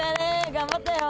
頑張ったよ。